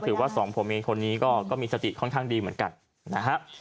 ถือว่าสองผู้มีคนนี้ก็มีสติค่อนข้างดีเหมือนกัน